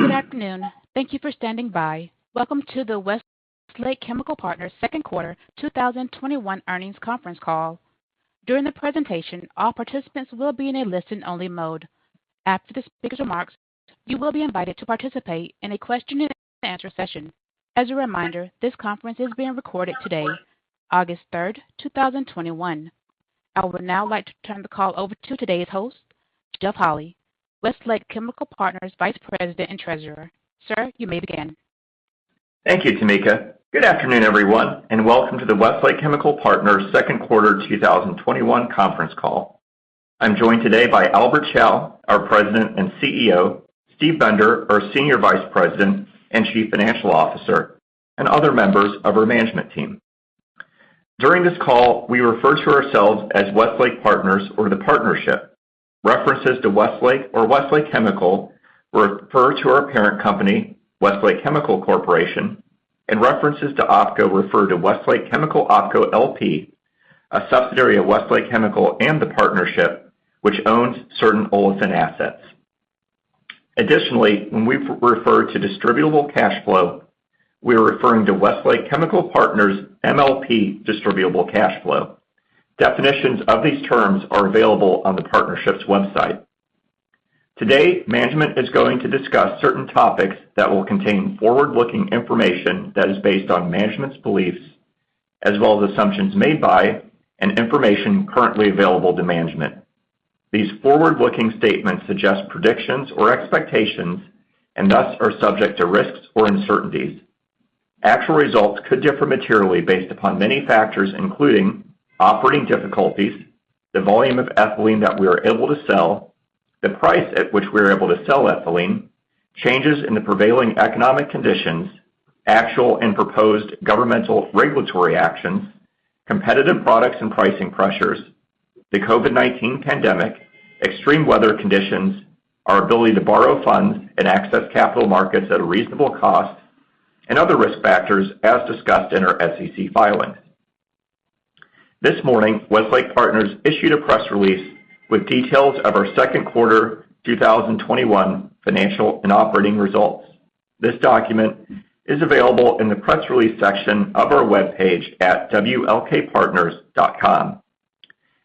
Good afternoon. Thank you for standing by. Welcome to the Westlake Chemical Partners second quarter 2021 earnings conference call. During the presentation, all participants will be in a listen-only mode. After the speaker's remarks, you will be invited to participate in a question-and-answer session. As a reminder, this conference is being recorded today, August 3rd, 2021. I would now like to turn the call over to today's host, Jeff Holy, Westlake Chemical Partners Vice President and Treasurer. Sir, you may begin. Thank you, Tamika. Good afternoon everyone, and welcome to the Westlake Chemical Partners second quarter 2021 conference call. I'm joined today by Albert Chao, our President and CEO, Steve Bender, our Senior Vice President and Chief Financial Officer, and other members of our management team. During this call, we refer to ourselves as Westlake Partners or the Partnership. References to Westlake or Westlake Chemical refer to our parent company, Westlake Chemical Corporation, and references to OpCo refer to Westlake Chemical OpCo LP, a subsidiary of Westlake Chemical and the Partnership, which owns certain olefins assets. Additionally, when we refer to distributable cash flow, we are referring to Westlake Chemical Partners MLP distributable cash flow. Definitions of these terms are available on the Partnership's website. Today, management is going to discuss certain topics that will contain forward-looking information that is based on management's beliefs as well as assumptions made by and information currently available to management. These forward-looking statements suggest predictions or expectations and thus are subject to risks or uncertainties. Actual results could differ materially based upon many factors, including operating difficulties, the volume of ethylene that we are able to sell, the price at which we are able to sell ethylene, changes in the prevailing economic conditions, actual and proposed governmental regulatory actions, competitive products and pricing pressures, the COVID-19 pandemic, extreme weather conditions, our ability to borrow funds and access capital markets at a reasonable cost, and other risk factors as discussed in our SEC filings. This morning, Westlake Chemical Partners issued a press release with details of our second quarter 2021 financial and operating results. This document is available in the press release section of our webpage at wlkpartners.com.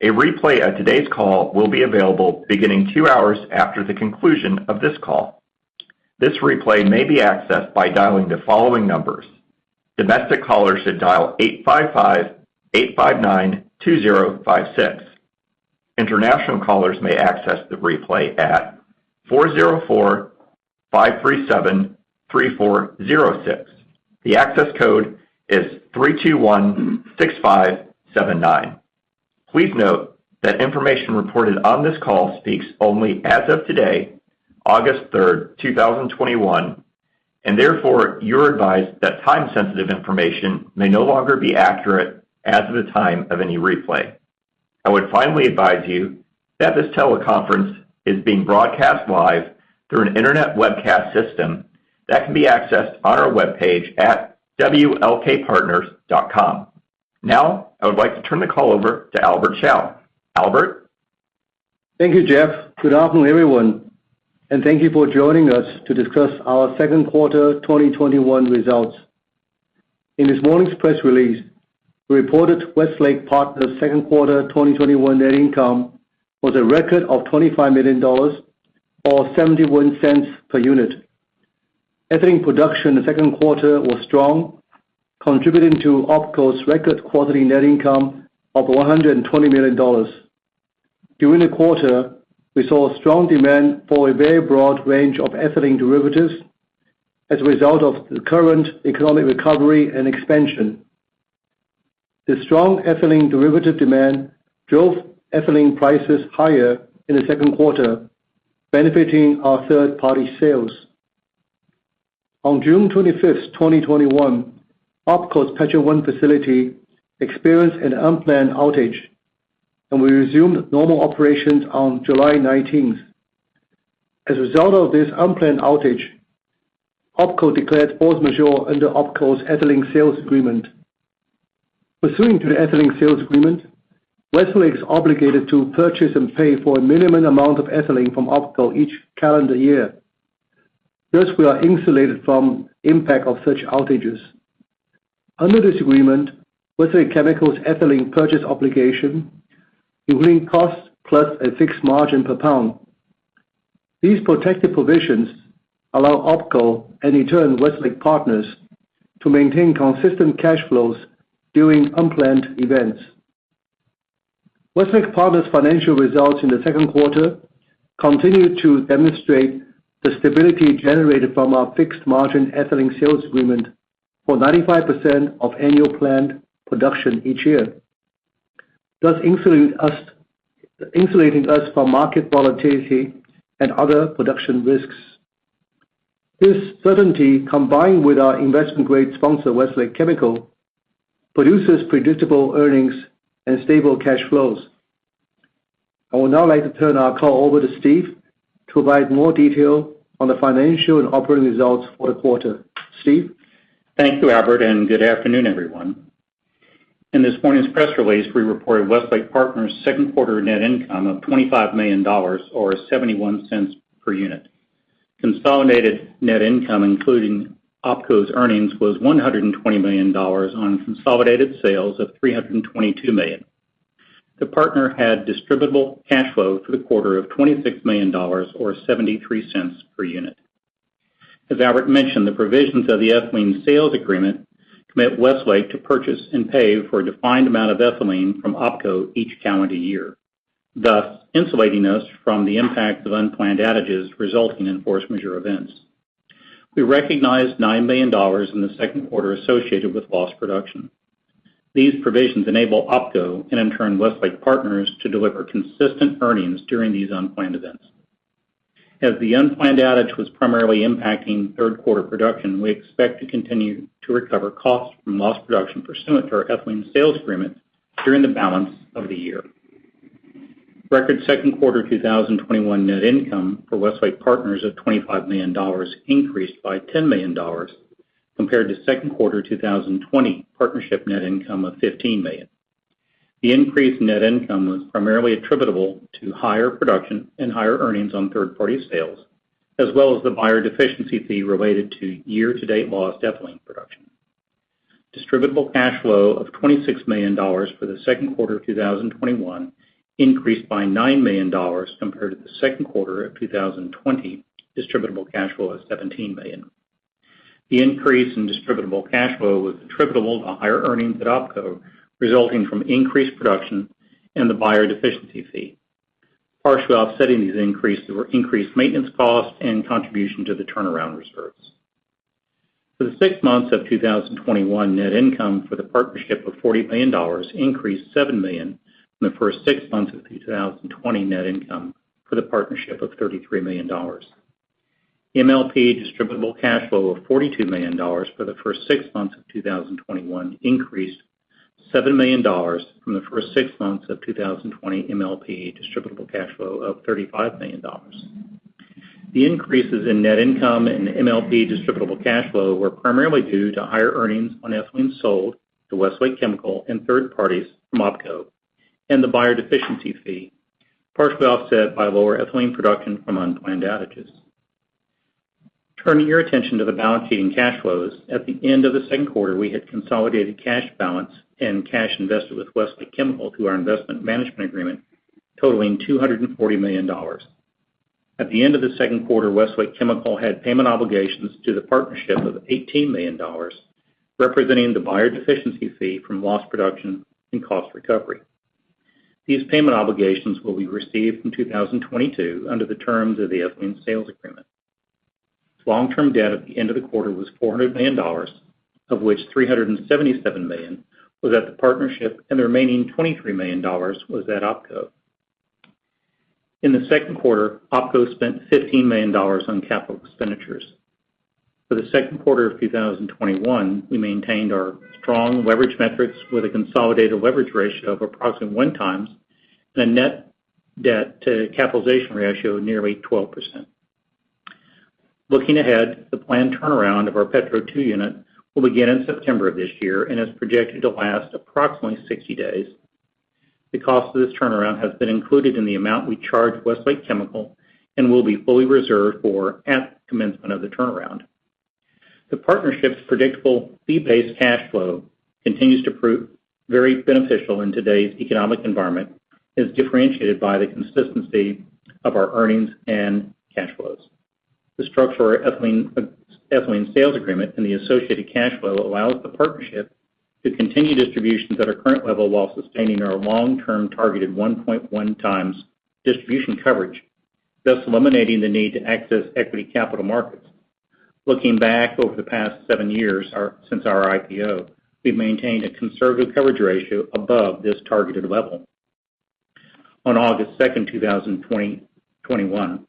A replay of today's call will be available beginning two hours after the conclusion of this call. This replay may be accessed by dialing the following numbers. Domestic callers should dial 855-859-2056. International callers may access the replay at 404-537-3406. The access code is 3216579. Please note that information reported on this call speaks only as of today, August 3rd, 2021, and therefore you're advised that time-sensitive information may no longer be accurate as of the time of any replay. I would finally advise you that this teleconference is being broadcast live through an internet webcast system that can be accessed on our webpage at wlkpartners.com. Now, I would like to turn the call over to Albert Chao. Albert? Thank you, Jeff. Good afternoon, everyone, thank you for joining us to discuss our second quarter 2021 results. In this morning's press release, we reported Westlake Partners second quarter 2021 net income was a record of $25 million, or $0.71 per unit. Ethylene production in the second quarter was strong, contributing to OpCo's record quarterly net income of $120 million. During the quarter, we saw strong demand for a very broad range of ethylene derivatives as a result of the current economic recovery and expansion. The strong ethylene derivative demand drove ethylene prices higher in the second quarter, benefiting our third-party sales. On June 25th, 2021, OpCo's Petro 1 facility experienced an unplanned outage, and we resumed normal operations on July 19th. As a result of this unplanned outage, OpCo declared force majeure under OpCo's ethylene sales agreement. Pursuant to the ethylene sales agreement, Westlake is obligated to purchase and pay for a minimum amount of ethylene from OpCo each calendar year, thus we are insulated from impact of such outages. Under this agreement, Westlake Chemical's ethylene purchase obligation, including costs plus a fixed margin per pound. These protective provisions allow OpCo and in turn Westlake Partners to maintain consistent cash flows during unplanned events. Westlake Partners' financial results in the second quarter continued to demonstrate the stability generated from our fixed-margin ethylene sales agreement for 95% of annual planned production each year, thus insulating us from market volatility and other production risks. This certainty, combined with our investment-grade sponsor, Westlake Chemical, produces predictable earnings and stable cash flows. I would now like to turn our call over to Steve to provide more detail on the financial and operating results for the quarter. Steve? Thank you, Albert, and good afternoon, everyone. In this morning's press release, we reported Westlake Partners' second quarter net income of $25 million, or $0.71 per unit. Consolidated net income, including OpCo's earnings, was $120 million on consolidated sales of $322 million. The partner had distributable cash flow for the quarter of $26 million, or $0.73 per unit. As Albert mentioned, the provisions of the ethylene sales agreement commit Westlake to purchase and pay for a defined amount of ethylene from OpCo each calendar year, thus insulating us from the impact of unplanned outages resulting in force majeure events. We recognized $9 million in the second quarter associated with lost production. These provisions enable OpCo, and in turn, Westlake Partners, to deliver consistent earnings during these unplanned events. As the unplanned outage was primarily impacting third quarter production, we expect to continue to recover costs from lost production pursuant to our ethylene sales agreement during the balance of the year. Record second quarter 2021 net income for Westlake Partners of $25 million increased by $10 million compared to second quarter 2020 partnership net income of $15 million. The increased net income was primarily attributable to higher production and higher earnings on third-party sales, as well as the buyer deficiency fee related to year-to-date lost ethylene production. Distributable cash flow of $26 million for the second quarter of 2021 increased by $9 million compared to the second quarter of 2020 distributable cash flow of $17 million. The increase in distributable cash flow was attributable to higher earnings at OpCo, resulting from increased production and the buyer deficiency fee. Partially offsetting these increases were increased maintenance costs and contribution to the turnaround reserves. For the six months of 2021, net income for the partnership of $40 million increased $7 million from the first six months of 2020 net income for the partnership of $33 million. MLP distributable cash flow of $42 million for the first six months of 2021 increased $7 million from the first six months of 2020 MLP distributable cash flow of $35 million. The increases in net income and MLP distributable cash flow were primarily due to higher earnings on ethylene sold to Westlake Chemical and third parties from OpCo and the buyer deficiency fee, partially offset by lower ethylene production from unplanned outages. Turning your attention to the balance sheet and cash flows, at the end of the second quarter, we had consolidated cash balance and cash invested with Westlake Chemical through our investment management agreement totaling $240 million. At the end of the second quarter, Westlake Chemical had payment obligations to the partnership of $18 million, representing the buyer deficiency fee from lost production and cost recovery. These payment obligations will be received in 2022 under the terms of the ethylene sales agreement. Long-term debt at the end of the quarter was $400 million, of which $377 million was at the partnership and the remaining $23 million was at OpCo. In the second quarter, OpCo spent $15 million on capital expenditures. For the second quarter of 2021, we maintained our strong leverage metrics with a consolidated leverage ratio of approximately one times and a net debt-to-capitalization ratio of nearly 12%. Looking ahead, the planned turnaround of our Petro 2 unit will begin in September of this year and is projected to last approximately 60 days. The cost of this turnaround has been included in the amount we charge Westlake Chemical and will be fully reserved for at commencement of the turnaround. The Partnership's predictable fee-based cash flow continues to prove very beneficial in today's economic environment, as differentiated by the consistency of our earnings and cash flows. The structure of our ethylene sales agreement and the associated cash flow allows the Partnership to continue distributions at our current level while sustaining our long-term targeted 1.1x distribution coverage, thus eliminating the need to access equity capital markets. Looking back over the past seven years since our IPO, we've maintained a conservative coverage ratio above this targeted level. On August 2nd, 2021,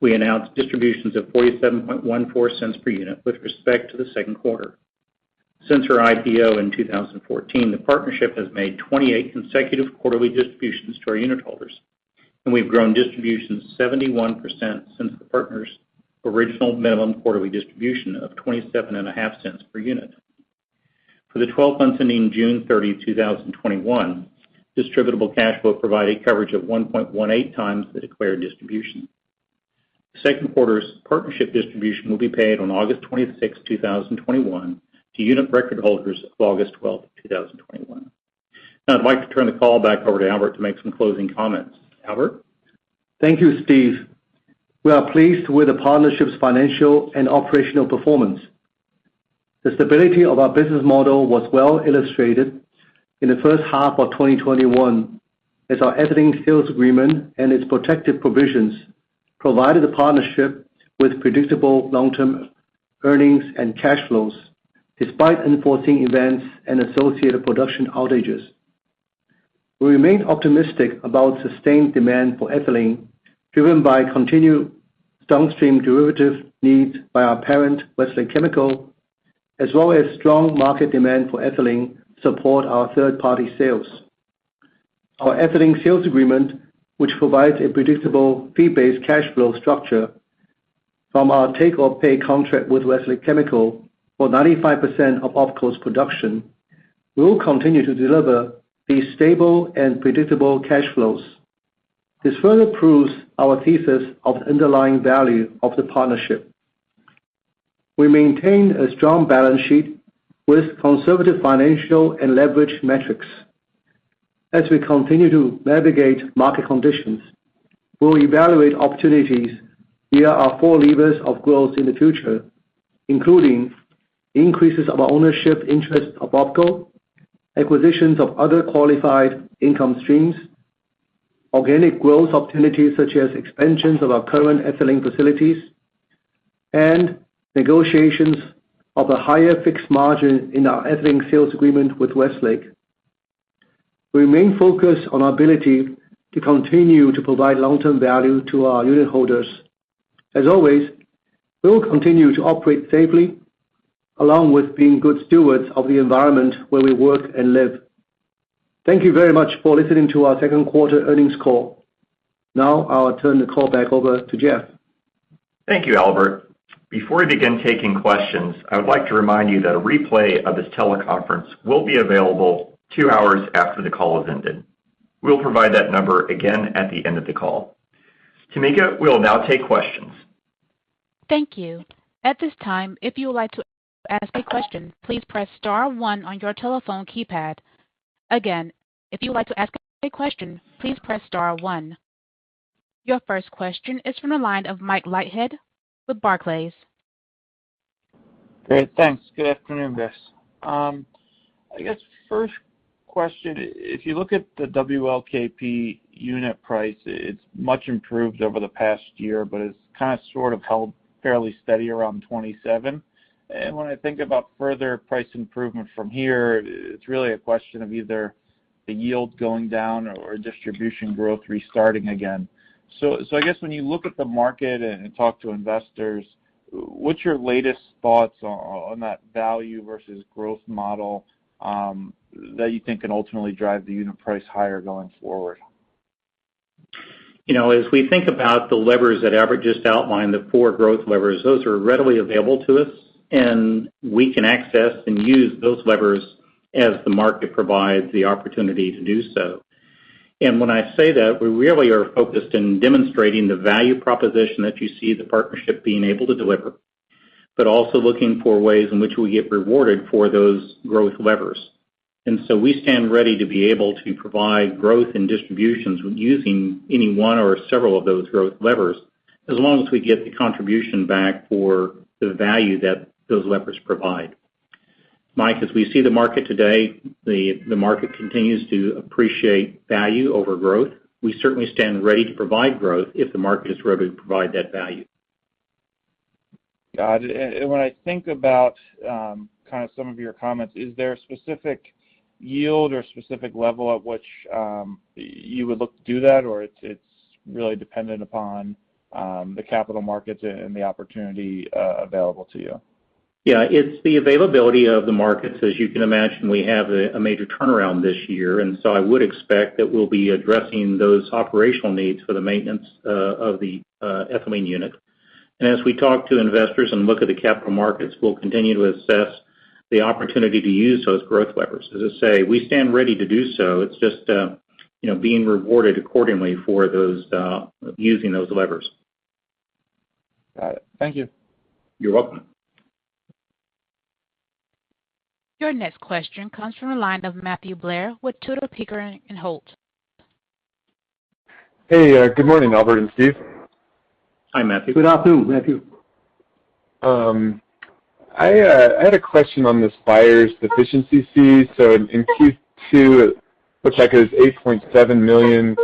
we announced distributions of $0.4714 per unit with respect to the second quarter. Since our IPO in 2014, the partnership has made 28 consecutive quarterly distributions to our unitholders, and we've grown distributions 71% since the partner's original minimum quarterly distribution of $0.275 per unit. For the 12 months ending June 30, 2021, distributable cash flow provided coverage of 1.18x the declared distribution. The second quarter's partnership distribution will be paid on August 26th, 2021 to unit record holders of August 12th, 2021. Now I'd like to turn the call back over to Albert to make some closing comments. Albert? Thank you, Steve. We are pleased with the Partnership's financial and operational performance. The stability of our business model was well illustrated in the first half of 2021 as our ethylene sales agreement and its protective provisions provided the partnership with predictable long-term earnings and cash flows, despite unforeseen events and associated production outages. We remain optimistic about sustained demand for ethylene, driven by continued downstream derivative needs by our parent, Westlake Chemical, as well as strong market demand for ethylene to support our third-party sales. Our ethylene sales agreement, which provides a predictable fee-based cash flow structure from our take-or-pay contract with Westlake Chemical for 95% of OpCo's production, will continue to deliver these stable and predictable cash flows. This further proves our thesis of underlying value of the partnership. We maintain a strong balance sheet with conservative financial and leverage metrics. As we continue to navigate market conditions, we will evaluate opportunities via our four levers of growth in the future, including increases of our ownership interest of OpCo, acquisitions of other qualified income streams, organic growth opportunities such as expansions of our current ethylene facilities, and negotiations of a higher fixed margin in our ethylene sales agreement with Westlake. We remain focused on our ability to continue to provide long-term value to our unitholders. As always, we will continue to operate safely, along with being good stewards of the environment where we work and live. Thank you very much for listening to our second quarter earnings call. Now, I'll turn the call back over to Jeff. Thank you, Albert. Before we begin taking questions, I would like to remind you that a replay of this teleconference will be available two hours after the call has ended. We'll provide that number again at the end of the call. Tamika, we'll now take questions. Thank you. At this time, if you would like to ask a question, please press star one on your telephone keypad. Again, if you would like to ask a question, please press star one. Your first question is from the line of Mike Leithead with Barclays. Great. Thanks. Good afternoon, guys. First question, if you look at the WLKP unit price, it's much improved over the past year, it's kind of, sort of held fairly steady around $27. When I think about further price improvement from here, it's really a question of either the yield going down or distribution growth restarting again. When you look at the market and talk to investors, what's your latest thoughts on that value versus growth model that you think can ultimately drive the unit price higher going forward? As we think about the levers that Albert just outlined, the four growth levers, those are readily available to us, and we can access and use those levers as the market provides the opportunity to do so. When I say that, we really are focused in demonstrating the value proposition that you see the partnership being able to deliver, but also looking for ways in which we get rewarded for those growth levers. So we stand ready to be able to provide growth in distributions using any one or several of those growth levers, as long as we get the contribution back for the value that those levers provide. Mike, as we see the market today, the market continues to appreciate value over growth. We certainly stand ready to provide growth if the market is ready to provide that value. Got it. When I think about some of your comments, is there a specific yield or specific level at which you would look to do that, or it's really dependent upon the capital markets and the opportunity available to you? Yeah. It's the availability of the markets. As you can imagine, we have a major turnaround this year, I would expect that we'll be addressing those operational needs for the maintenance of the ethylene unit. As we talk to investors and look at the capital markets, we'll continue to assess the opportunity to use those growth levers. As I say, we stand ready to do so. It's just being rewarded accordingly for using those levers. Got it. Thank you. You're welcome. Your next question comes from the line of Matthew Blair with Tudor, Pickering, and Holt. Hey. Good morning, Albert and Steve. Hi, Matthew. Good afternoon, Matthew. I had a question on this buyer deficiency fee. In Q2, it looks like it was $8.7 million.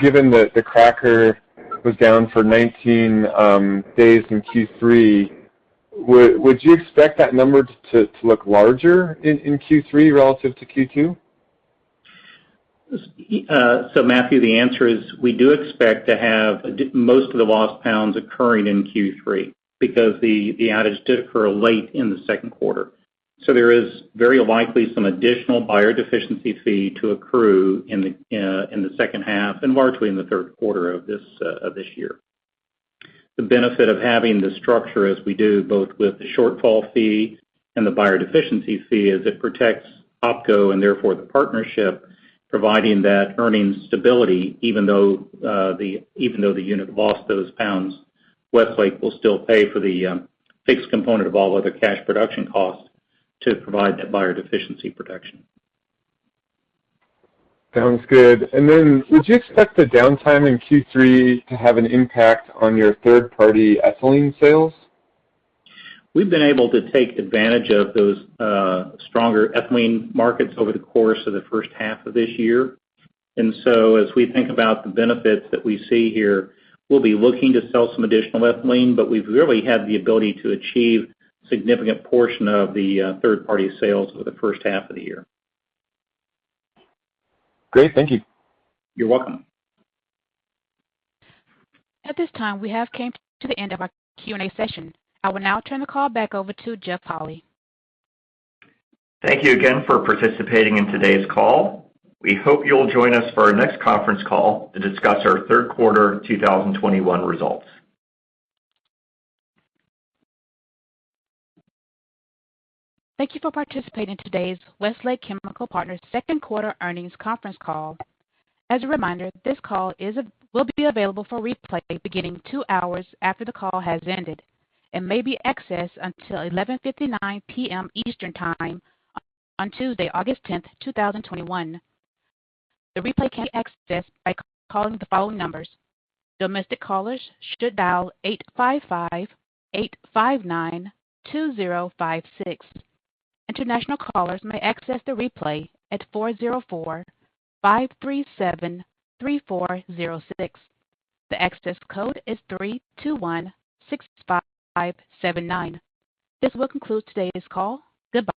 Given that the cracker was down for 19 days in Q3, would you expect that number to look larger in Q3 relative to Q2? Matthew, the answer is, we do expect to have most of the lost pounds occurring in Q3 because the outage did occur late in the second quarter. There is very likely some additional buyer deficiency fee to accrue in the second half and largely in the third quarter of this year. The benefit of having the structure as we do, both with the shortfall fee and the buyer deficiency fee, is it protects OpCo and therefore the Partnership, providing that earnings stability. Even though the unit lost those pounds, Westlake will still pay for the fixed component of all other cash production costs to provide that buyer deficiency protection. Sounds good. Would you expect the downtime in Q3 to have an impact on your third-party ethylene sales? We've been able to take advantage of those stronger ethylene markets over the course of the first half of this year. As we think about the benefits that we see here, we'll be looking to sell some additional ethylene, but we've really had the ability to achieve significant portion of the third-party sales for the first half of the year. Great. Thank you. You're welcome. At this time, we have come to the end of our Q&A session. I will now turn the call back over to Jeff Holy. Thank you again for participating in today's call. We hope you'll join us for our next conference call to discuss our third quarter 2021 results. Thank you for participating in today's Westlake Chemical Partners second quarter earnings conference call. As a reminder, this call will be available for replay beginning two hours after the call has ended and may be accessed until 11:59 P.M. Eastern Time on Tuesday, August 10th, 2021. The replay can be accessed by calling the following numbers. Domestic callers should dial 855-859-2056. International callers may access the replay at 404-537-3406. The access code is 3216579. This will conclude today's call. Goodbye.